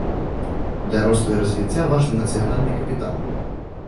Для росту і развіцця важны нацыянальны капітал.